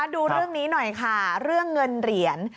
ดูเรื่องนี้หน่อยค่ะเรื่องเงินเหรียญ